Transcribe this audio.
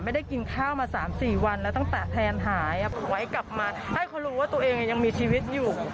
ไม่ได้กินข้าวมา๓๔วันแล้วตั้งแต่แพลนหายขอให้กลับมาให้เขารู้ว่าตัวเองยังมีชีวิตอยู่